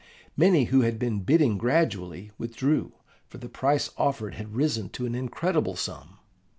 Many who had been bidding gradually withdrew, for the price offered had risen to an incredible sum.